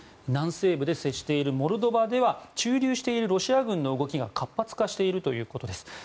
南西部で接しているモルドバでは駐留しているロシア軍の動きが活発化しているということです。